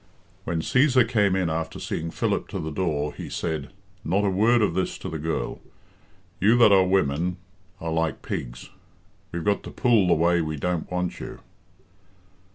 When Cæsar came in after seeing Philip to the door, he said, "Not a word of this to the girl. You that are women are like pigs we've got to pull the way we don't want you."